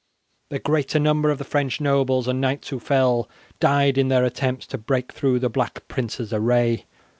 The greater number of the French nobles and knights who fell, died in their attempts to break through the Black Prince's array.